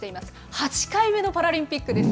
８回目のパラリンピックです。